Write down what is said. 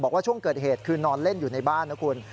บอกว่าช่วงเกิดเหตุคือนอนเล่นอยู่ในบ้านนะคุณ